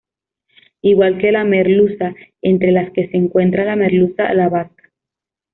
Igual que la merluza, entre las que se encuentra la merluza a la vasca.